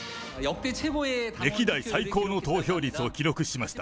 歴代最高の投票率を記録しました。